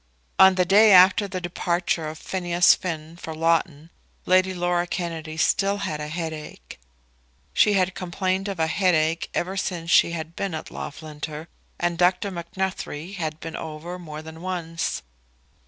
On the day after the departure of Phineas Finn for Loughton Lady Laura Kennedy still had a headache. She had complained of a headache ever since she had been at Loughlinter, and Dr. Macnuthrie had been over more than once.